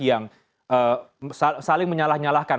yang saling menyalah nyalahkan